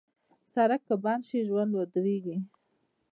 سړک که بند شي، ژوند ودریږي.